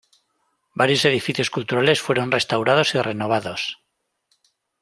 Varios edificios culturales fueron restaurados y renovados.